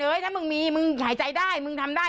ถ้ามึงมีมึงหายใจได้มึงทำได้